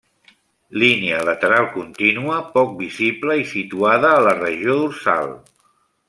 Línia lateral contínua, poc visible i situada a la regió dorsal.